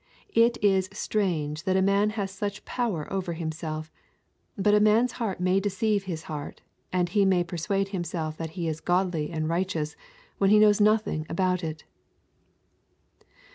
It is strange that a man hath such power over himself. But a man's heart may deceive his heart, and he may persuade himself that he is godly and righteous when he knows nothing about it.'